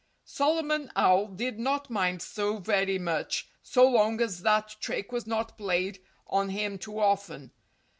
Solomon Owl did not mind so very much so long as that trick was not played on him too often.